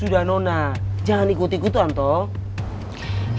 sudah nona jangan ikut ikutan toh